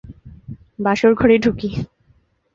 বাসরঘরে ঢুকি।